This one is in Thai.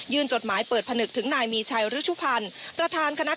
ยื่นจดหมายเปิดผนึกถึงนายมีชัยริชุพันธ์